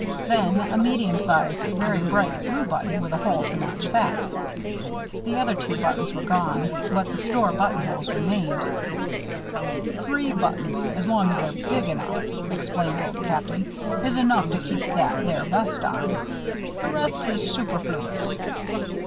Then a medium sized very bright blue button with a hole to match that. The other two buttons were gone, but the store buttonholes remained. "Three buttons as long as they're big enough," explained Old Captain, "is enough to keep that there vest on. The rest is superfloo us.